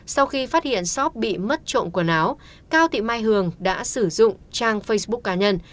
sau khi phát hiện shop bị mất trộm quần áo cao thị mai hường đã sử dụng trang facebook cá nhân